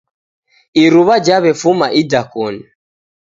Iruwa jawefuma idakoni